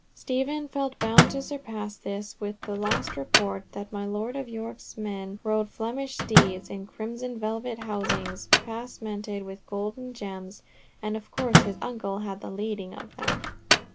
Stephen felt bound to surpass this with the last report that my Lord of York's men rode Flemish steeds in crimson velvet housings, passmented with gold and gems, and of course his uncle had the leading of them.